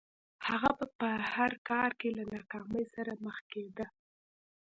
هغه به په هر کار کې له ناکامۍ سره مخ کېده